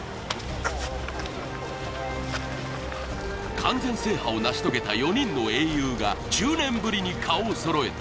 完全制覇を成し遂げた４人の英雄が１０年ぶりに顔をそろえた。